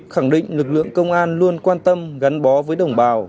khẳng định lực lượng công an luôn quan tâm gắn bó với đồng bào